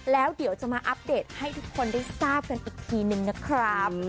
แล้วเดี๋ยวจะมาอัปเดตให้ทุกคนได้ทราบกันอีกทีนึงนะครับ